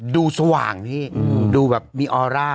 สว่างพี่ดูแบบมีออร่า